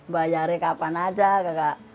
bayarnya kapan saja kakak